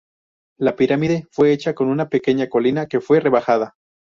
La pirámide fue hecha con una pequeña colina que fue rebajada.